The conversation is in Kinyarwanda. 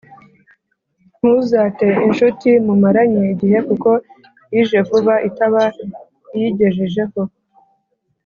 Ntuzate incuti mumaranye igihe, kuko ije vuba, itaba iyigejejeho